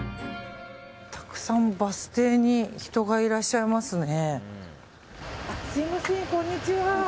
たくさんバス停に人がいらっしゃいますね。